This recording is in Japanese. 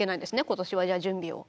今年はじゃあ準備を。